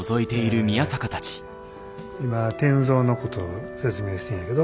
今転造のことを説明してんやけど。